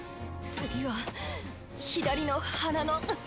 次は左の鼻のうっ！